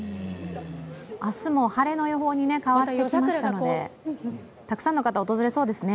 明日も晴れの予報に変わってきましたので、たくさんの方、訪れそうですね。